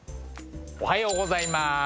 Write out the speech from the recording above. おはようございます。